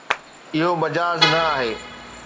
اهو مجاز نه آهي